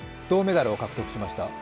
銅メダルを獲得しました。